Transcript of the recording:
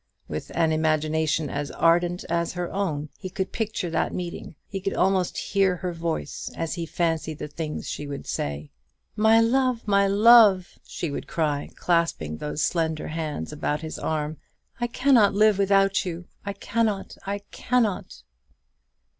With an imagination as ardent as her own, he could picture that meeting; he could almost hear her voice as he fancied the things she would say. "My love, my love!" she would cry, clasping those slender hands about his arm; "I cannot live without you: I cannot, I cannot!"